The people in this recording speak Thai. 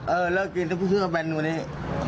เออเลิกกินแล้วพูดซื้อมาแบนวันนี้